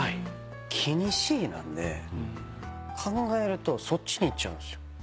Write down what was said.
気にしいなんで考えるとそっちにいっちゃうんですよ。